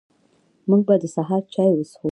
موږ به د سهار چاي وڅښو